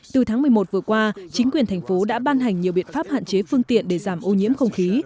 từ tháng một mươi một vừa qua chính quyền thành phố đã ban hành nhiều biện pháp hạn chế phương tiện để giảm ô nhiễm không khí